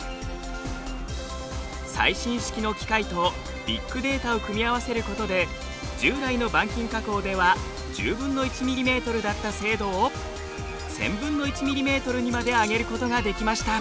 最新式の機械とビッグデータを組み合わせることで従来の板金加工では１０分の１ｍｍだった精度を１０００分の１ｍｍにまで上げることができました。